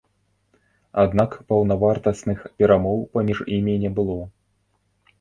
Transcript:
Аднак паўнавартасных перамоў паміж імі не было.